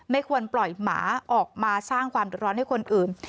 ไม่ควรปล่อยหมาออกมาสร้างความเดือดร้อนให้คนอื่น